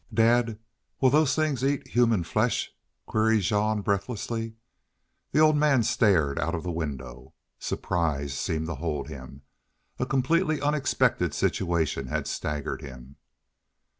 "Dad, will those hogs eat human flesh?" queried Jean, breathlessly. The old man stared out of the window. Surprise seemed to hold him. A completely unexpected situation had staggered him.